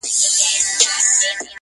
نور دي نو شېخاني كيسې نه كوي.